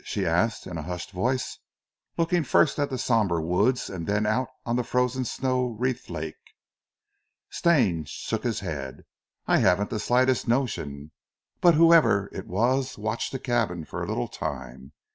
she asked in a hushed voice, looking first at the sombre woods and then out on the frozen snow wreathed lake. Stane shook his head. "I haven't the slightest notion, but whoever it was watched the cabin for a little time.